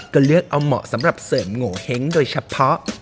ก็เลือกเอาเหมาะสำหรับเสริมโงเห้งโดยเฉพาะ